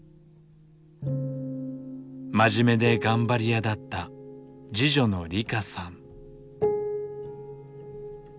真面目で頑張り屋だった次女の理加さん。